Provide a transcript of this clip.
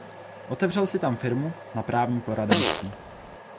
Otevřel si tam firmu na právní poradenství.